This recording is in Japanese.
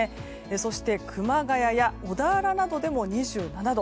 そして、熊谷や小田原などでも２７度。